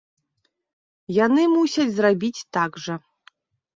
Яны мусяць зрабіць так жа.